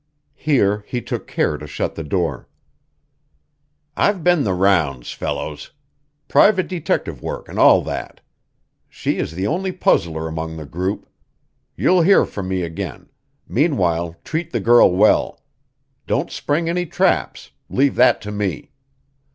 _" Here he took care to shut the door. "I've been the rounds, Fellows. Private detective work and all that. She is the only puzzler among the group. You'll hear from me again; meanwhile treat the girl well. Don't spring any traps; leave that to me."